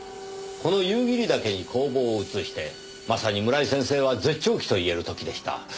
この夕霧岳に工房を移してまさに村井先生は絶頂期と言える時でした。